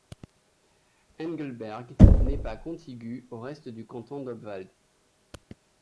Engelberg n'est pas contiguë au reste du canton d'Obwald.